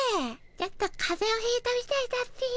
ちょっとかぜを引いたみたいだっピィ。